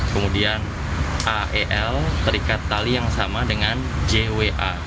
kemudian ael terikat tali yang sama dengan jwa